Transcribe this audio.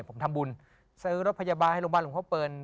ผมทำบุญซื้อรถพยาบาลให้โรงพยาบาลหลวงพ่อเปิล